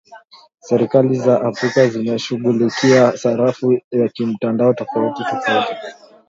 Serikali za Afrika zimeshughulikia sarafu ya kimtandao tofauti-tofauti